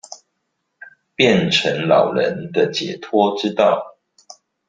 變成老人的解脫之道